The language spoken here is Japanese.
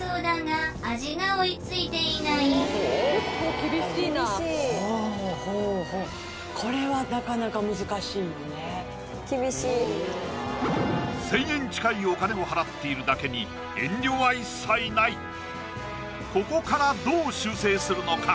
結構厳しいなぁなかなか１０００円近いお金を払っているだけに遠慮は一切ないここからどう修正するのか？